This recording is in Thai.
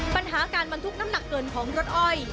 ปัญหาการบรรทุกน้ำหนักเกินของรถอ้อย